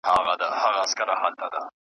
له پېړیو د نړۍ کاروان تیریږي .